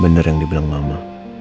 bener yang dibilang mama